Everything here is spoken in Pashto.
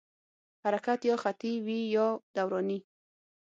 حرکت یا خطي وي یا دوراني.